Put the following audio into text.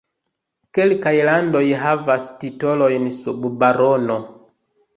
Kelkaj landoj havas titolojn sub barono.